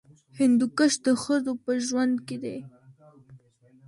هندوکش د ښځو په ژوند کې دي.